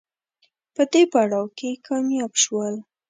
په دې پړاو کې کامیاب شول